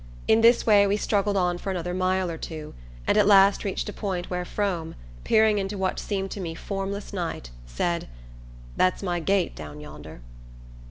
In this way we struggled on for another mile or two, and at last reached a point where Frome, peering into what seemed to me formless night, said: "That's my gate down yonder."